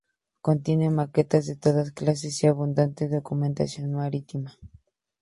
Contiene maquetas de todas clases y abundante documentación marítima.